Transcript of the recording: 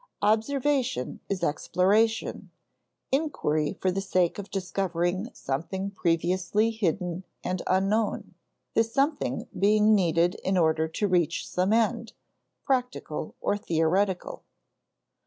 Observation is exploration, inquiry for the sake of discovering something previously hidden and unknown, this something being needed in order to reach some end, practical or theoretical.